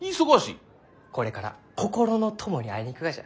これから心の友に会いに行くがじゃ。